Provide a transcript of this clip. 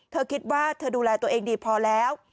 เธอคิดว่าเธอดูแลตัวเองดีพอแล้ว